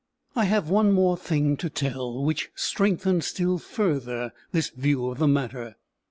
I have one thing more to tell, which strengthens still further this view of the matter.